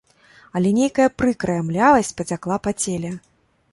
Але нейкая прыкрая млявасць пацякла па целе.